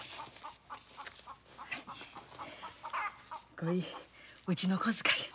こいうちの小遣いや。